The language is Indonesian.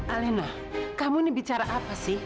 aleno kamu ini bicara apa sih